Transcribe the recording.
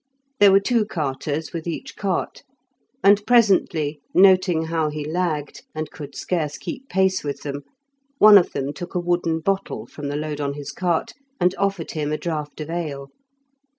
There were two carters with each cart; and presently, noting how he lagged, and could scarce keep pace with them, one of them took a wooden bottle from the load on his cart, and offered him a draught of ale.